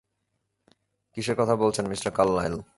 কীসের কথা বলছেন, মিস্টার কার্লাইল?